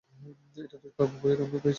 এটা দুষ্প্রাপ্য বইয়ের রুমে পেয়েছি।